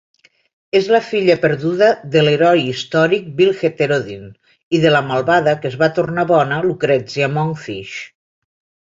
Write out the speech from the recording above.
És la filla perduda de l'heroi històric Bil Heterodyne i de la malvada que es va tornar bona Lucrezia Mongfish.